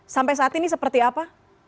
sampai saat ini seperti apa